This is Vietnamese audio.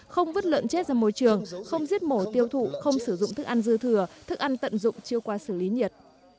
không vứt lợn chết ra môi trường không giết mổ tiêu thụ không sử dụng thức ăn dư thừa thức ăn tận dụng chiêu qua xử lý nhiệt